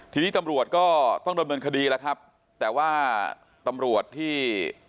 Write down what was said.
ทีนี้ตำรวจก็ต้องดำเนินคดีแล้วครับแต่ว่าตำรวจที่